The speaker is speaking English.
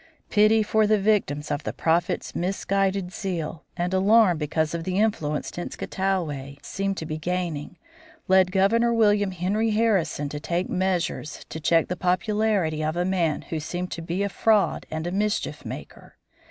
Pity for the victims of the Prophet's misguided zeal, and alarm because of the influence Tenskwatawa seemed to be gaining, led Governor William Henry Harrison to take measures to check the popularity of a man who seemed to be a fraud and a mischief maker.